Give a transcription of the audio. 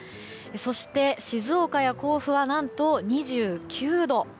そして、静岡や甲府は何と２９度。